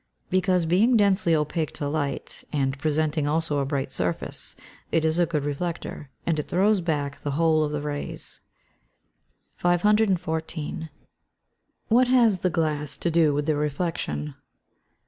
_ Because, being densely opaque to light, and presenting also a bright surface, it is a good reflector, and it throws back the whole of the rays. 514. _What has the glass to do with the reflection?